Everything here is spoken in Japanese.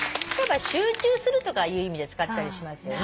集中するとかいう意味で使ったりしますよね。